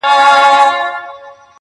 هم منلو د خبرو ته تیار دی!